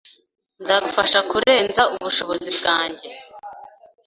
Nzagufasha kurenza ubushobozi bwanjye.